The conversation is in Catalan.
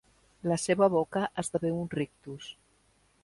La seva boca esdevé un rictus.